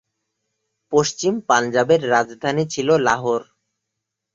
পশ্চিম পাঞ্জাবের রাজধানী ছিল লাহোর।